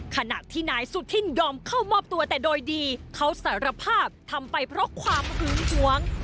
ขณะที่นายสุธินยอมเข้ามอบตัวแต่โดยดีเขาสารภาพทำไปเพราะความหึงหวง